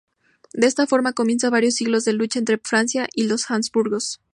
De esta forma comienzan varios siglos de lucha entre Francia y los Habsburgos.